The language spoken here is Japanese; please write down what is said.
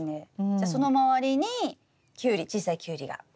じゃあその周りにキュウリ小さいキュウリがなる。